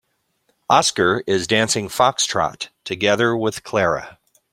Oscar is dancing foxtrot together with Clara.